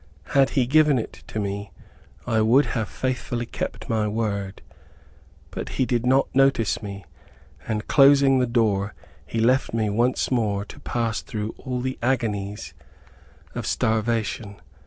Had he given it to me, I would have faithfully kept my word; but he did not notice me, and closing the door, he left me once more to pass through all the agonies of starvation.